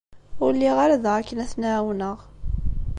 Ur lliɣ ara da akken ad ten-ɛawneɣ.